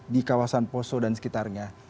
di kawasan poso dan sekitarnya